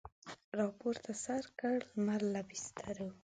راپورته سر کړ لمر له بستره